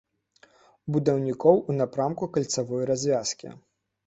Будаўнікоў у напрамку кальцавой развязкі.